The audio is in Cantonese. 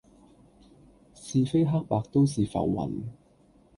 是非黑白都是浮雲